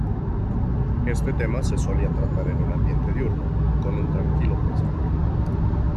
Este tema se solía tratar en un ambiente diurno, con un tranquilo paisaje.